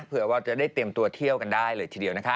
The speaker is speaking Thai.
เผื่อว่าจะได้เตรียมตัวเที่ยวกันได้เลยทีเดียวนะคะ